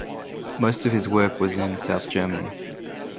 Most of his work was in South Germany.